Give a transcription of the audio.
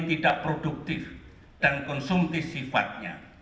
tidak produktif dan konsumtif sifatnya